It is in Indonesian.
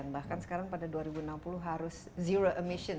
bahkan sekarang pada dua ribu enam puluh harus zero emission